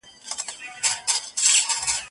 جهاني نن خو به تنها د غلیم جنګ ته ورځو